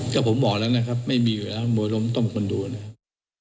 ก็ผมบอกแล้วนะครับไม่มีอยู่แล้วมวยล้มต้มคนดูนะครับ